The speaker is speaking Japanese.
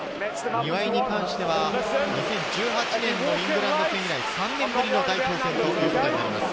庭井に関しては２０１８年のイングランド戦以来３年ぶりの代表戦ということになります。